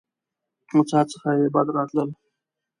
له څاه څخه يې بد راتلل.